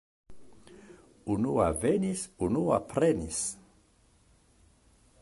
Unua venis, unua prenis.